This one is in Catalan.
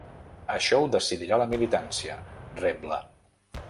Això ho decidirà la militància, rebla.